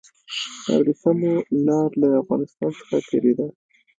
د ورېښمو لاره له افغانستان څخه تیریده